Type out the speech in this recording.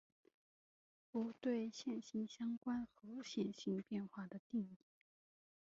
如对线性相关和线性变换的定义。